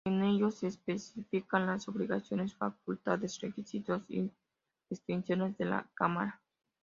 En ellos se especifican las obligaciones, facultades, requisitos y restricciones de la cámara.